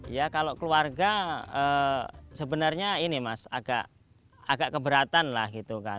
ya kalau keluarga sebenarnya ini mas agak keberatan lah gitu kan